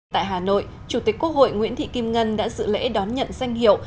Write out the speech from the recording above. tại hà nội chủ tịch quốc hội nguyễn thị kim ngân đã dự lễ đón nhận danh hiệu